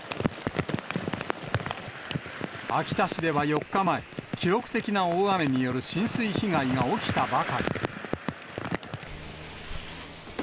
秋田市では４日前、記録的な大雨による浸水被害が起きたばかり。